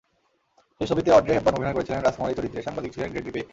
সেই ছবিতে Audrey Hepburn অভিনয় করেছিলেন রাজকুমারী চরিত্রে, সাংবাদিক ছিলেন গ্রেগরি পেক।